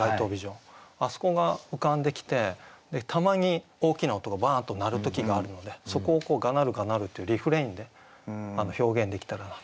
あそこが浮かんできてたまに大きな音がバーンと鳴る時があるのでそこを「我鳴るがなる」っていうリフレインで表現できたらなと。